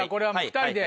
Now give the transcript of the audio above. ２人で。